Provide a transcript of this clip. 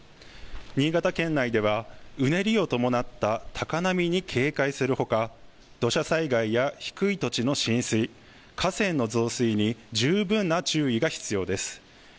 新潟県内ではうねりを伴った高波に警戒するほか、土砂災害や低い土地の浸水、河川の増水に十分な注意が必要です。